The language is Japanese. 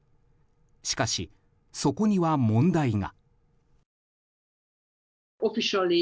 しかし、そこには問題が。